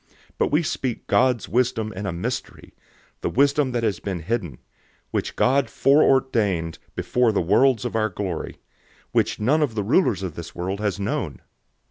002:007 But we speak God's wisdom in a mystery, the wisdom that has been hidden, which God foreordained before the worlds for our glory, 002:008 which none of the rulers of this world has known.